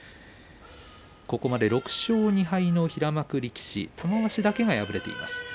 ここまで６勝２敗の平幕力士玉鷲だけが敗れています。